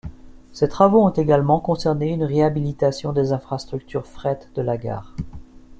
Ces travaux ont également concerné une réhabilitation des infrastructures fret de la gare.